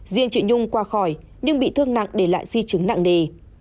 riêng chị nhung qua khỏi nhưng bị thương nặng để lại di chứng nặng nề